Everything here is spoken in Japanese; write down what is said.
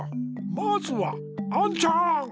まずはアンちゃん！